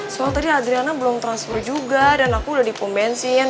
soal tadi adriana belum transfer juga dan aku udah dipum bensin